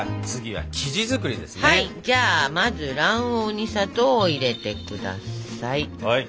はいじゃあまず卵黄に砂糖を入れて下さい。